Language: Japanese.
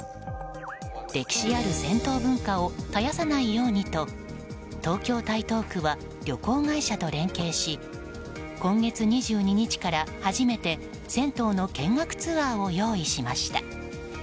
歴史ある銭湯文化を絶やさないようにと東京・台東区は旅行会社と連携し今月２２日から初めて銭湯の見学ツアーを用意しました。